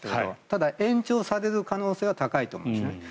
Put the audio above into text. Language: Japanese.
ただ、延長される可能性は高いと思うんですね。